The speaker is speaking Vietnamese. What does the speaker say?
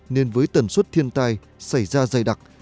nên với tần suất thiên tai xảy ra dày đặc